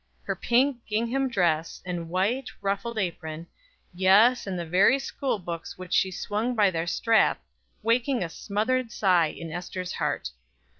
Her pink gingham dress, and white, ruffled apron yes, and the very school books which she swung by their strap, waking a smothered sigh in Ester's heart.